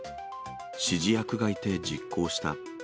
指示役がいて実行した。